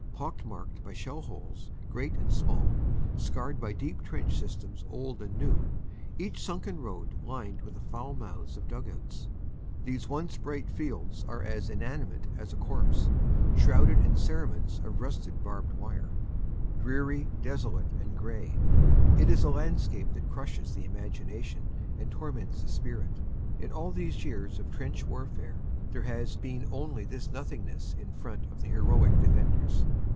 Pock marked by shell holes, great and small, scarred by deep trench systems old and new, each sunken road lined with the foul mouths of dug outs ; these once bright fields are as inani mate as a corpse, shrouded in cerements of rusted barbed wire. * Dreary, desolate and gray, it is a landscape that crushes the imagination and torments the spirit. In all these years of trench warfare there has been only this nothingness in front of the heroic defenders.